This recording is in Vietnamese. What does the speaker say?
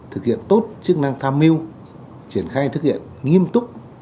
thực hiện tốt chức năng tham mưu triển khai thực hiện nghiêm túc